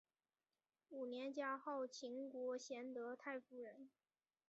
五年加号秦国贤德太夫人。